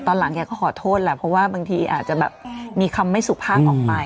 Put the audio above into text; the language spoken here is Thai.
ตอนหลังแกก็ขอโทษแหละเพราะว่าบางทีอาจจะแบบมีคำไม่สุภาพออกไป